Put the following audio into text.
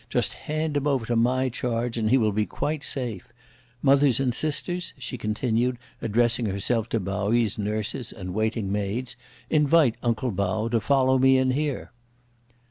Just hand him over to my charge, and he will be quite safe. Mothers and sisters," she continued, addressing herself to Pao yü's nurses and waiting maids, "invite uncle Pao to follow me in here."